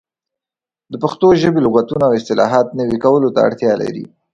د پښتو ژبې لغتونه او اصطلاحات نوي کولو ته اړتیا لري.